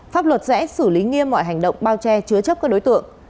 pháp luật sẽ xử lý nghiêm mọi hành động bao che chứa chấp các đối tượng